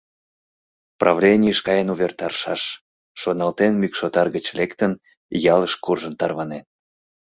Правленийыш каен увертарышаш», — шоналтен, мӱкшотар гыч лектын, ялыш куржаш тарванен.